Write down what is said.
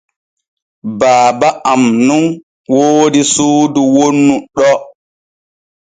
Baaba am nun woodi suudu wonnu ɗo.